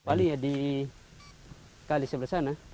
paling di kali sebelah sana